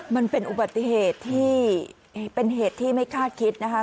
มันเป็นอุบัติเหตุที่เป็นเหตุที่ไม่คาดคิดนะคะ